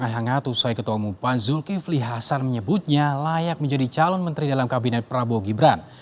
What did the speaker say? dan hangat usai ketua mumpan zulkifli hasan menyebutnya layak menjadi calon menteri dalam kabinet prabowo gibran